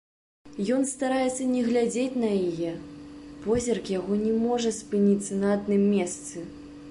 Ён стараецца не глядзець на яе, позірк яго не можа спыніцца на адным месцы.